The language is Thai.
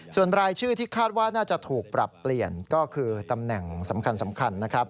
ส่วนรายชื่อที่คาดว่าน่าจะถูกปรับเปลี่ยนก็คือตำแหน่งสำคัญนะครับ